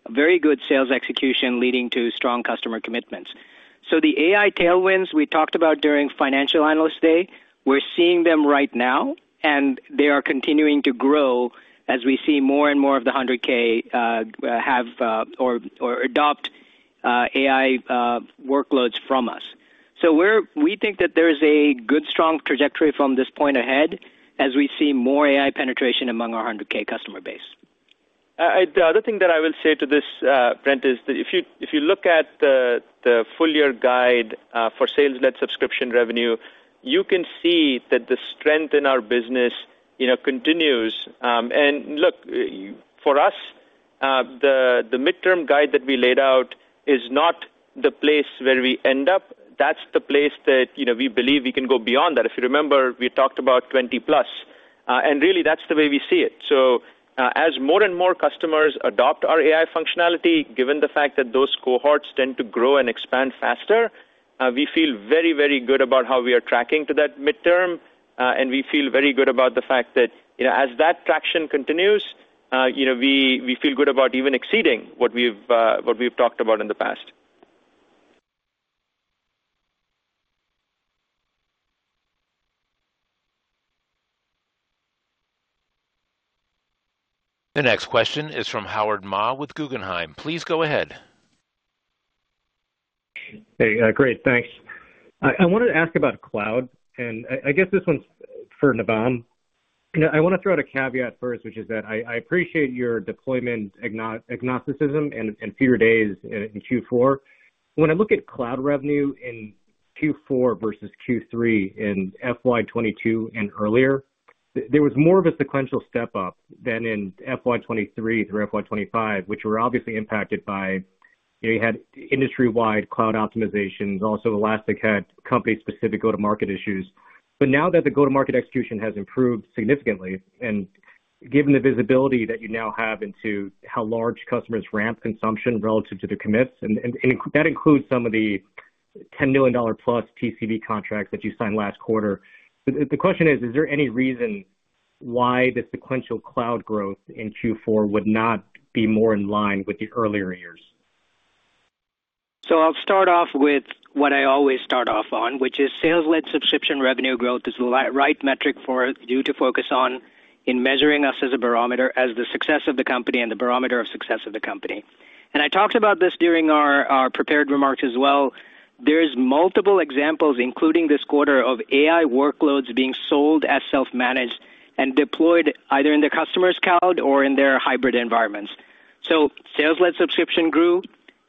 very good sales execution leading to strong customer commitments. The AI tailwinds we talked about during Financial Analyst Day, we're seeing them right now, and they are continuing to grow as we see more and more of the $100,000 have or adopt AI workloads from us. We think that there is a good strong trajectory from this point ahead as we see more AI penetration among our $100,000 customer base. The other thing that I will say to this, Brent, is that if you look at the full year guide for sales net subscription revenue, you can see that the strength in our business, you know, continues. Look, for us, the midterm guide that we laid out is not the place where we end up. That's the place that, you know, we believe we can go beyond that. If you remember, we talked about 20%+. Really that's the way we see it. As more and more customers adopt our AI functionality, given the fact that those cohorts tend to grow and expand faster, we feel very, very good about how we are tracking to that midterm. We feel very good about the fact that, you know, as that traction continues, you know, we feel good about even exceeding what we've, what we've talked about in the past. The next question is from Howard Ma with Guggenheim. Please go ahead. Hey. Great. Thanks. I wanted to ask about cloud, and I guess this one's for Navam. I wanna throw out a caveat first, which is that I appreciate your deployment agnosticism and fewer days in Q4. When I look at cloud revenue in Q4 versus Q3 in FY 2022 and earlier, there was more of a sequential step up than in FY 2023 through FY 2025, which were obviously impacted by, you know, you had industry-wide cloud optimization. Also, Elastic had company-specific go-to-market issues. Now that the go-to-market execution has improved significantly, and given the visibility that you now have into how large customers ramp consumption relative to the commits, and that includes some of the $10+ million TCV contracts that you signed last quarter. The question is there any reason why the sequential cloud growth in Q4 would not be more in line with the earlier years? I'll start off with what I always start off on, which is sales-led subscription revenue growth is the right metric for you to focus on in measuring us as a barometer, as the success of the company and the barometer of success of the company. I talked about this during our prepared remarks as well. There's multiple examples, including this quarter, of AI workloads being sold as Self-Managed and deployed either in the customer's cloud or in their hybrid environments. Sales-led subscription grew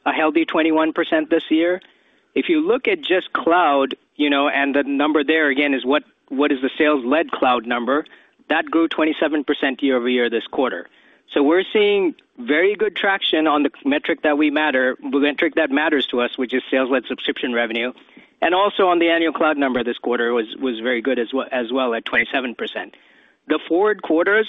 a healthy 21% this year. If you look at just cloud, you know, and the number there again is what is the sales-led cloud number, that grew 27% year-over-year this quarter. We're seeing very good traction on the metric that matters to us, which is sales-led subscription revenue. Also on the annual cloud number this quarter was very good as well at 27%. The forward quarters,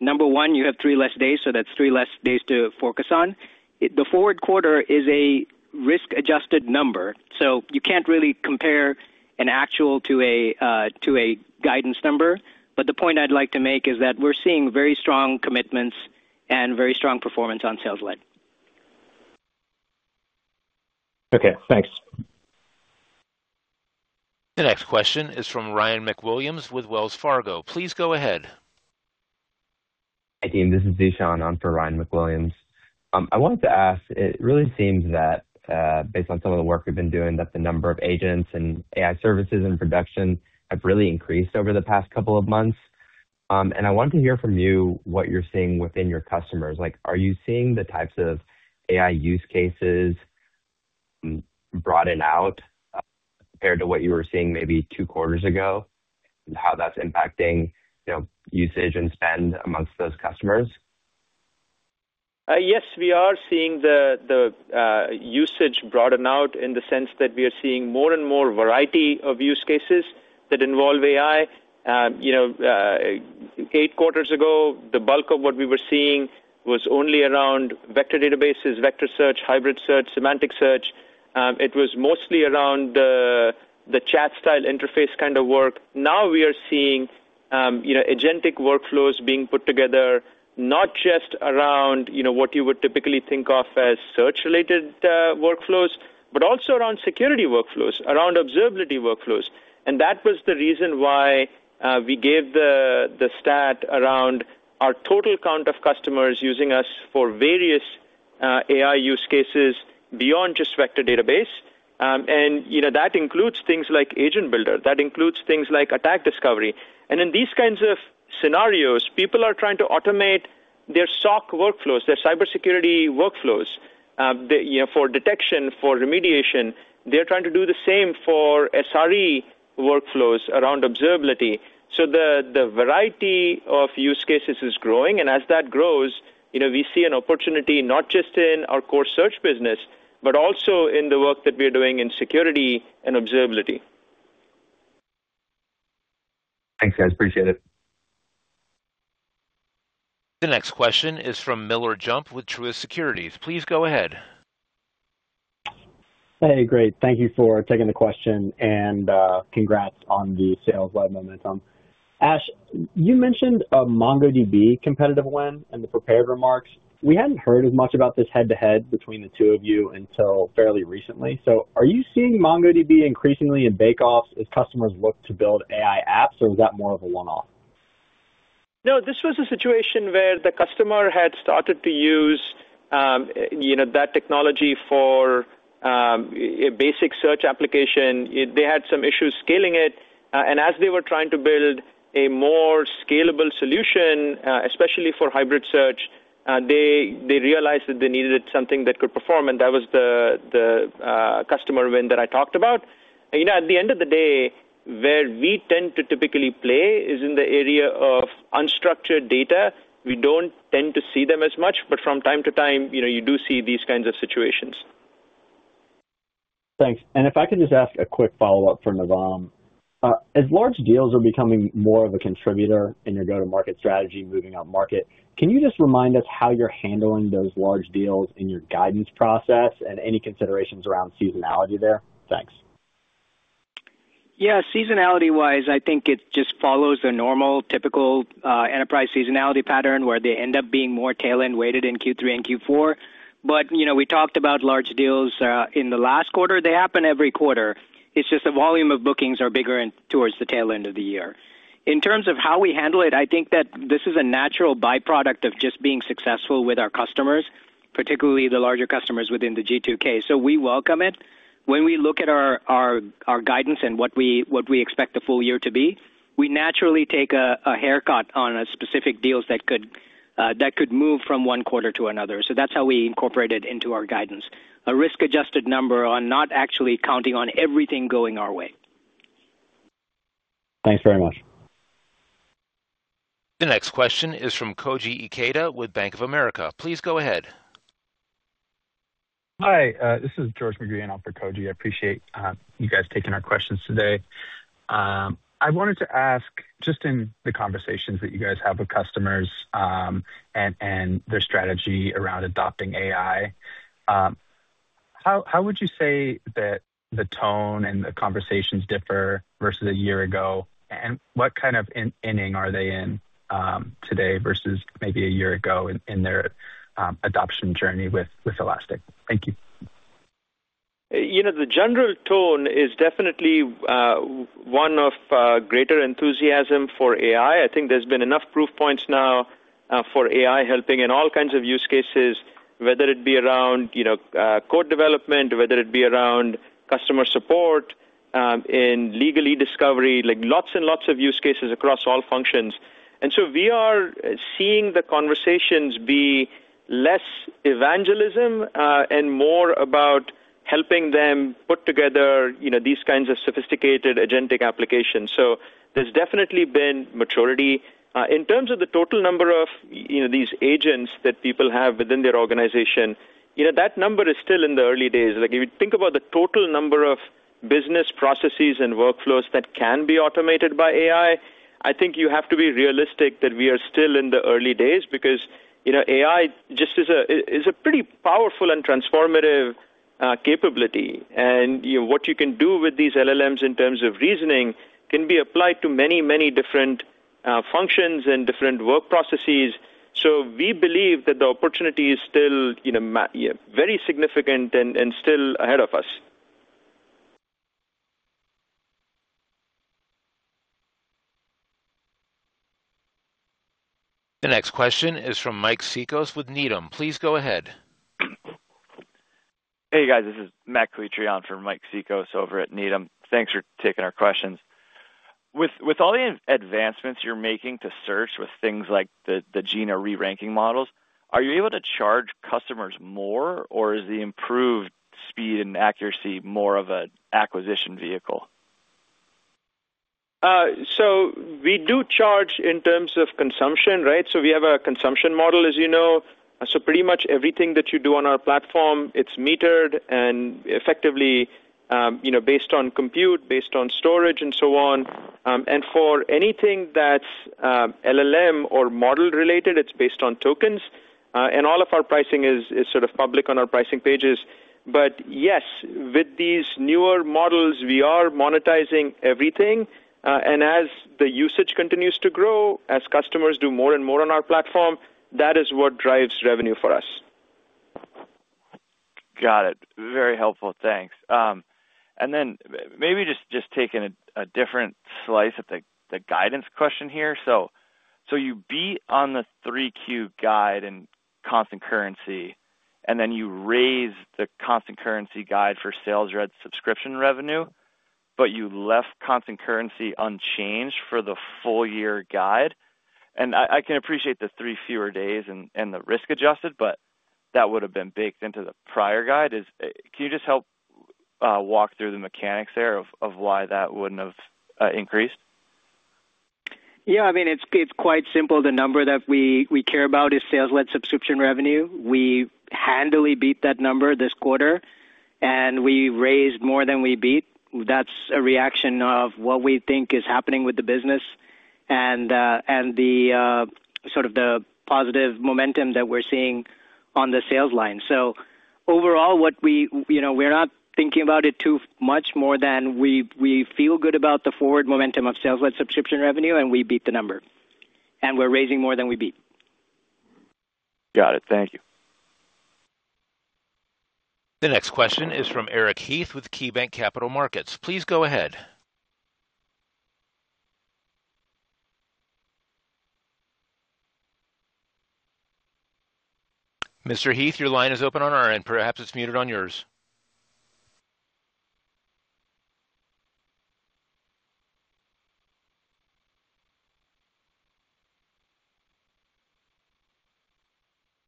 number one, you have three less days, so that's three less days to focus on. The forward quarter is a risk-adjusted number, so you can't really compare an actual to a guidance number. The point I'd like to make is that we're seeing very strong commitments and very strong performance on sales-led. Okay, thanks. The next question is from Ryan MacWilliams with Wells Fargo. Please go ahead. Hi, team. This is [Zeeshan] on for Ryan MacWilliams. I wanted to ask, it really seems that, based on some of the work we've been doing, that the number of agents and AI services in production have really increased over the past couple of months. I wanted to hear from you what you're seeing within your customers. Like, are you seeing the types of AI use cases broaden out compared to what you were seeing maybe two quarters ago and how that's impacting, you know, usage and spend amongst those customers? Yes, we are seeing the usage broaden out in the sense that we are seeing more and more variety of use cases that involve AI. You know, eight quarters ago, the bulk of what we were seeing was only around vector databases, vector search, hybrid search, semantic search. It was mostly around the chat style interface kind of work. Now we are seeing, you know, agentic workflows being put together, not just around, you know, what you would typically think of as search-related workflows, but also around security workflows, around observability workflows. That was the reason why we gave the stat around our total count of customers using us for various AI use cases beyond just vector database. You know, that includes things like Agent Builder, that includes things like Attack Discovery. In these kinds of scenarios, people are trying to automate their SOC workflows, their cybersecurity workflows, you know, for detection, for remediation. They're trying to do the same for SRE workflows around observability. The variety of use cases is growing, and as that grows, you know, we see an opportunity not just in our core search business, but also in the work that we are doing in security and observability. Thanks, guys. Appreciate it. The next question is from Miller Jump with Truist Securities. Please go ahead. Hey, great. Thank you for taking the question and congrats on the sales-led momentum. Ash, you mentioned a MongoDB competitive win in the prepared remarks. We hadn't heard as much about this head-to-head between the two of you until fairly recently. Are you seeing MongoDB increasingly in bake-offs as customers look to build AI apps, or was that more of a one-off? No, this was a situation where the customer had started to use, you know, that technology for a basic search application. They had some issues scaling it, and as they were trying to build a more scalable solution, especially for hybrid search, they realized that they needed something that could perform, and that was the customer win that I talked about. You know, at the end of the day, where we tend to typically play is in the area of unstructured data. We don't tend to see them as much, but from time to time, you know, you do see these kinds of situations. Thanks. If I could just ask a quick follow-up for Navam. As large deals are becoming more of a contributor in your go-to-market strategy moving up market, can you just remind us how you're handling those large deals in your guidance process and any considerations around seasonality there? Thanks. Yeah. Seasonality-wise, I think it just follows the normal typical enterprise seasonality pattern, where they end up being more tail-end weighted in Q3 and Q4. You know, we talked about large deals in the last quarter. They happen every quarter. It's just the volume of bookings are bigger towards the tail end of the year. In terms of how we handle it, I think that this is a natural byproduct of just being successful with our customers, particularly the larger customers within the G2K, so we welcome it. When we look at our guidance and what we expect the full year to be, we naturally take a haircut on specific deals that could move from one quarter to another. That's how we incorporate it into our guidance. A risk-adjusted number on not actually counting on everything going our way. Thanks very much. The next question is from Koji Ikeda with Bank of America. Please go ahead. Hi, this is George McGreehan on for Koji. I appreciate you guys taking our questions today. I wanted to ask, just in the conversations that you guys have with customers, and their strategy around adopting AI, how would you say that the tone and the conversations differ versus a year ago? What kind of in-inning are they in today versus maybe a year ago in their adoption journey with Elastic? Thank you. You know, the general tone is definitely, one of, greater enthusiasm for AI. I think there's been enough proof points now for AI helping in all kinds of use cases, whether it be around, you know, code development, whether it be around customer support, in legal e-discovery, like, lots and lots of use cases across all functions. We are seeing the conversations be less evangelism, and more about helping them put together, you know, these kinds of sophisticated agentic applications. There's definitely been maturity. In terms of the total number of, you know, these agents that people have within their organization, you know, that number is still in the early days. Like, if you think about the total number of business processes and workflows that can be automated by AI, I think you have to be realistic that we are still in the early days because, you know, AI just is a pretty powerful and transformative capability. You know, what you can do with these LLMs in terms of reasoning can be applied to many different functions and different work processes. We believe that the opportunity is still, you know, very significant and still ahead of us. The next question is from Mike Cikos with Needham. Please go ahead. Hey, guys. This is Matt Calitri on for Mike Cikos over at Needham. Thanks for taking our questions. With all the advancements you're making to search with things like the Jina reranking models, are you able to charge customers more, or is the improved speed and accuracy more of a acquisition vehicle? We do charge in terms of consumption, right? We have a consumption model, as you know. Pretty much everything that you do on our platform, it's metered and effectively, you know, based on compute, based on storage and so on. For anything that's LLM or model related, it's based on tokens. All of our pricing is sort of public on our pricing pages. Yes, with these newer models, we are monetizing everything. As the usage continues to grow, as customers do more and more on our platform, that is what drives revenue for us. Got it. Very helpful. Thanks. Then maybe just taking a different slice at the guidance question here. You beat on the 3Q guide and constant currency, and then you raise the constant currency guide for sales rep subscription revenue, but you left constant currency unchanged for the full year guide. I can appreciate the three fewer days and the risk adjusted, but that would have been baked into the prior guide. Can you just help walk through the mechanics there of why that wouldn't have increased? Yeah, I mean, it's quite simple. The number that we care about is sales-led subscription revenue. We handily beat that number this quarter. We raised more than we beat. That's a reaction of what we think is happening with the business and the sort of the positive momentum that we're seeing on the sales line. Overall, you know, we're not thinking about it too much more than we feel good about the forward momentum of sales-led subscription revenue, and we beat the number, and we're raising more than we beat. Got it. Thank you. The next question is from Eric Heath with KeyBanc Capital Markets. Please go ahead. Mr. Heath, your line is open on our end. Perhaps it's muted on yours.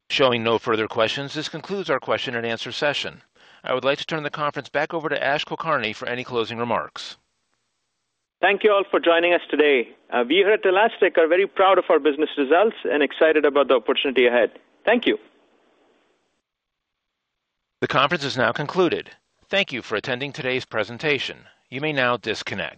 Showing no further questions, this concludes our question and answer session. I would like to turn the conference back over to Ash Kulkarni for any closing remarks. Thank you all for joining us today. We here at Elastic are very proud of our business results and excited about the opportunity ahead. Thank you. The conference is now concluded. Thank you for attending today's presentation. You may now disconnect.